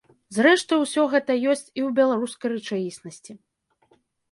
Зрэшты, усё гэта ёсць і ў беларускай рэчаіснасці.